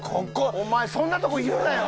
お前そんなとこいるなよ！